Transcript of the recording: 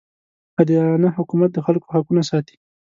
عادلانه حکومت د خلکو حقونه ساتي.